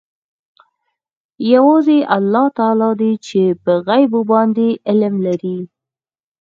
یوازې الله تعلی دی چې په غیبو باندې علم لري.